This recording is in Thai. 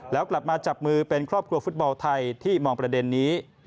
แล้วกลับมาจับมือเป็นครอบครัวฟุตบอลไทยที่มองประเด็นนี้